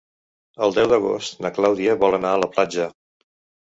El deu d'agost na Clàudia vol anar a la platja.